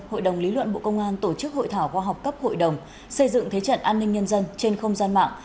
hội đồng lý luận bộ công an tổ chức hội thảo khoa học cấp hội đồng xây dựng thế trận an ninh nhân dân trên không gian mạng